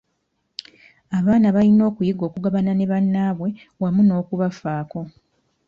Abaana balina okuyiga okugabana ne bannaabwe wamu n’okubafaako.